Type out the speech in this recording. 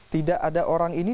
tidak ada orang ini